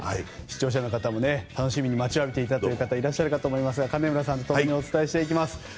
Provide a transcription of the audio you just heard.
視聴者の方も楽しみに待ちわびていた方もいらっしゃるかと思いますが金村さんとお伝えします。